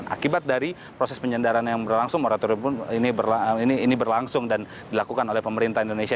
akibat dari proses penyandaran yang berlangsung moratorium ini berlangsung dan dilakukan oleh pemerintah indonesia